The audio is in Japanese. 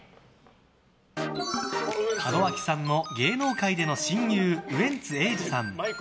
門脇さんの芸能界での親友ウエンツ瑛士さん。